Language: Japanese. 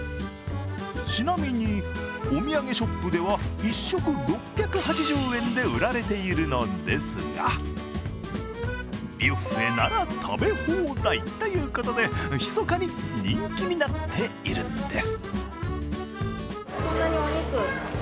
ちなみに、お土産ショップでは１食６８０円で売られているのですが、ビュッフェなら食べ放題ということで、密かに人気になっているんです。